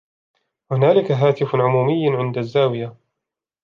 هنالك هاتف عمومي عند الزاوية.